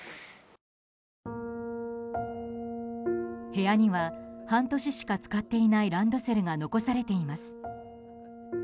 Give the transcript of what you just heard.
部屋には半年しか使っていないランドセルが残されています。